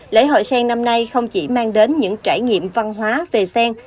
lễ hội sen năm nay không chỉ mang đến những trải nghiệm văn hóa về sen